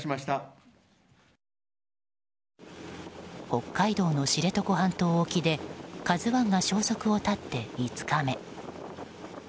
北海道の知床半島沖で「ＫＡＺＵ１」が消息を絶って５日目。